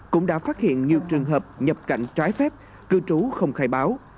cũng đã phát hiện nhiều trường hợp nhập cảnh trái phép cư trú không khai báo